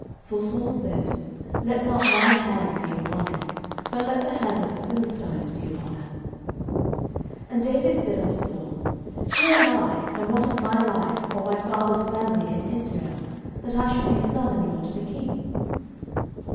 For Saul said, Let not mine hand be upon him, but let the hand of the Philistines be upon him. 09:018:018 And David said unto Saul, Who am I? and what is my life, or my father's family in Israel, that I should be son in law to the king?